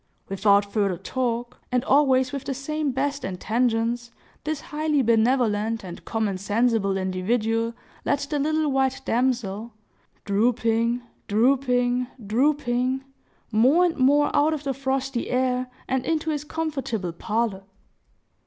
Without further talk, and always with the same best intentions, this highly benevolent and common sensible individual led the little white damsel—drooping, drooping, drooping, more and more out of the frosty air, and into his comfortable parlor.